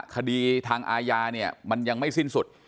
คดีทางอาญาเนี่ยมันยังไม่สิ้นสุด